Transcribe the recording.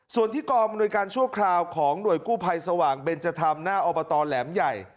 ส่วนที่กองอำนวยการชั่วคราวของหน่วยกู้ภัยสว่างเบนจธรรมหน้าอบตแหลมใหญ่